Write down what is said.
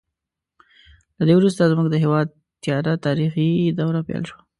له دې وروسته زموږ د هېواد تیاره تاریخي دوره پیل شوه.